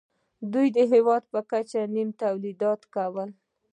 دوی د هېواد په کچه نیم تولیدات کول